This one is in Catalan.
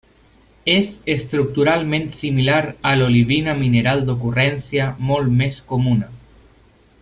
És estructuralment similar a l'olivina mineral d'ocurrència molt més comuna.